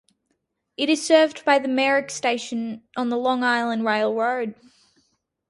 It is served by the Merrick station on the Long Island Rail Road.